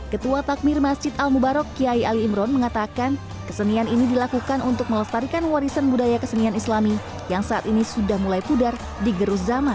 ketua takmir masjid al mubarok kiai ali imron mengatakan kesenian ini dilakukan untuk melestarikan warisan budaya kesenian islami yang saat ini sudah mulai pudar di gerus zaman